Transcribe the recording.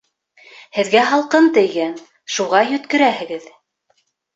Һеҙгә һалҡын тейгән, шуға йүткерәһегеҙ